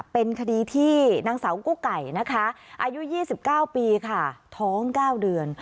เป็นคดีที่นางสาวกู้ไก่นะคะอายุ๒๙ปีค่ะท้อง๙เดือน